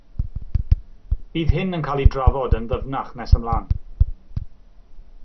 Bydd hyn yn cael ei drafod yn ddyfnach nes ymlaen.